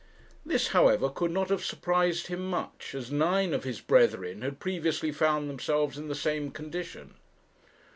This, however, could not have surprised him much, as nine of his brethren had previously found themselves in the same condition.